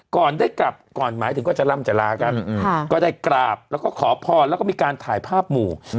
ก่อนได้กลับก่อนหมายถึงก็จะร่ำจะลากันก็ได้กราบแล้วก็ขอพรแล้วก็มีการถ่ายภาพหมู่